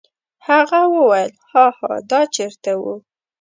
هغه وویل: هاها دا چیرته و؟